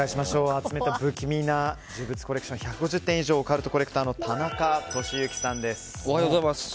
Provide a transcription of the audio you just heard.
集めた不気味な呪物コレクション１５０点以上オカルトコレクターの田中俊行さんです。